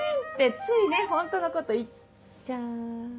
ついねホントのこと言っちゃ。